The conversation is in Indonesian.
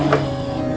oh ini pake